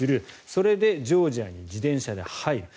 それでジョージアに自転車で入る。